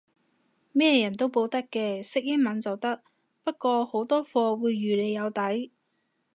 咩人都報得嘅，識英文就得，不過好多課會預你有底